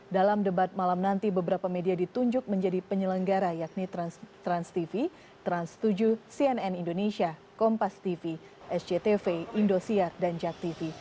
dalam debat malam nanti beberapa media ditunjuk menjadi penyelenggara yakni transtv trans tujuh cnn indonesia kompas tv sctv indosiar dan jak tv